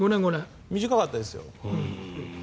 短かったですよ。